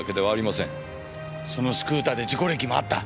そのスクーターで事故歴もあった。